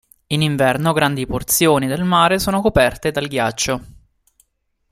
In inverno grandi porzioni del mare sono coperte dal ghiaccio.